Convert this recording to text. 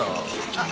あっ。